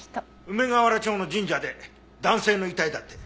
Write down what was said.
梅河原町の神社で男性の遺体だって。